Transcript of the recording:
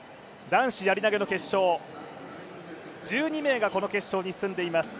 男子やり投の決勝、１２名が、この決勝に進んでいます。